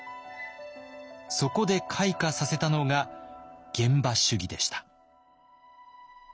そこで開花させたのが現場主義でした。